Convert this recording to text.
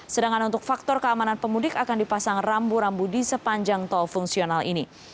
sedangkan untuk faktor keamanan pemudik akan dipasang rambu rambu di sepanjang tol fungsional ini